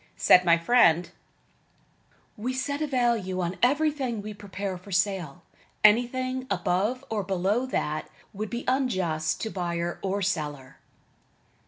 Said my friend: "We set a just value on everything we prepare for sale. Anything above or below that, would be unjust to buyer or seller."